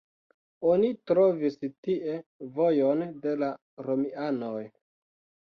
Oni trovis tie vojon de la romianoj.